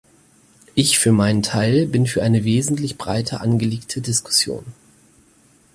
Ich für meinen Teil bin für eine wesentlich breiter angelegte Diskussion.